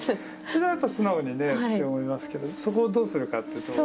それはやっぱり素直にねと思いますけどそこをどうするかというと。